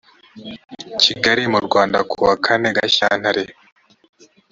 kigali mu rwanda kuwa kane gashyantare